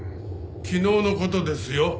昨日の事ですよ？